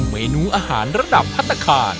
เมนูอาหารระดับภัตกาล